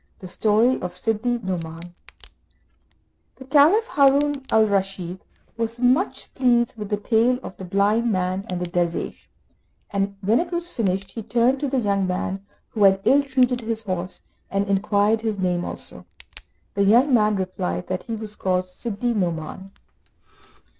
The Story of Sidi Nouman The Caliph, Haroun al Raschid, was much pleased with the tale of the blind man and the dervish, and when it was finished he turned to the young man who had ill treated his horse, and inquired his name also. The young man replied that he was called Sidi Nouman.